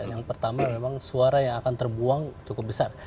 yang pertama memang suara yang akan terbuang cukup besar